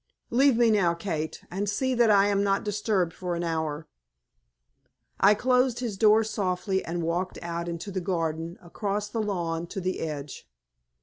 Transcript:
Leave me now, Kate, and see that I am not disturbed for an hour." I closed his door softly, and walked out into the garden, across the lawn to the edge.